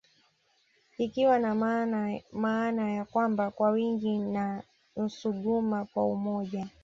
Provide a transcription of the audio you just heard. Ikiwa na maana ya kwamba kwa wingi na Nsuguma kwa umoja